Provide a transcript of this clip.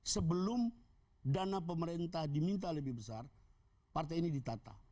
sebelum dana pemerintah diminta lebih besar partai ini ditata